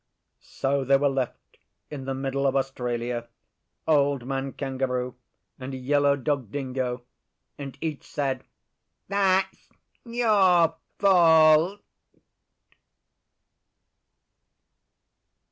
So they were left in the middle of Australia, Old Man Kangaroo and Yellow Dog Dingo, and each said, 'That's your fault.